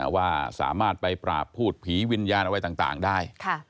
ว่าสามารถไปปราบพูดผีวิญญาณอะไรต่างได้